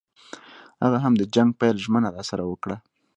هغه هم د جنګ پیل ژمنه راسره وکړه.